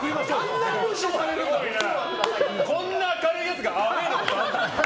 こんな明るいやつがアウェーなことあるんだ。